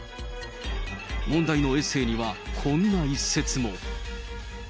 問題のエッセーにはこんな一節も。